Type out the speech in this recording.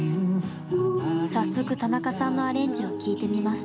早速田中さんのアレンジを聴いてみます。